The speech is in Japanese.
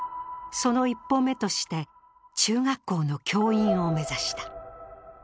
その一歩目として、中学校の教員を目指した。